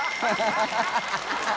ハハハ